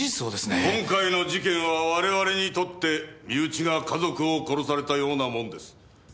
今回の事件は我々にとって身内が家族を殺されたようなもんです。